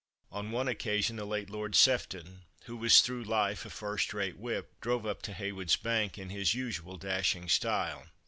On one occasion the late Lord Sefton, who was through life a first rate whip, drove up to Heywood's bank in his usual dashing style.